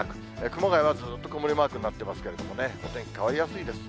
熊谷はずっと曇りマークになってますけどね、お天気変わりやすいです。